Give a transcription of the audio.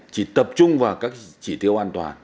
chỉ tập trung vào các chỉ tiêu an toàn